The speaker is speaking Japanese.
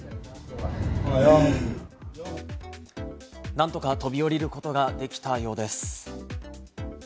なんとか飛び降りることができたようです。